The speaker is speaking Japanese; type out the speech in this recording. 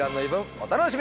お楽しみに。